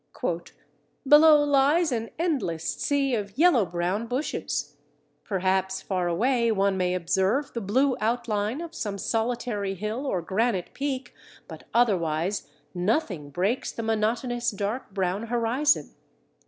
"Below lies an endless sea of yellow brown bushes: perhaps far away one may observe the blue outline of some solitary hill or granite peak, but otherwise nothing breaks the monotonous dark brown horizon.